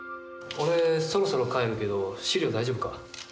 俺そろそろ帰るけど資料大丈夫か？